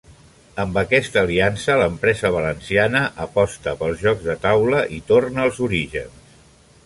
Amb aquesta aliança l'empresa valenciana aposta pels jocs de taula i torna als orígens.